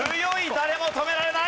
誰も止められない！